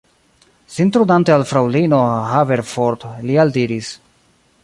Sin turnante al fraŭlino Haverford, li aldiris: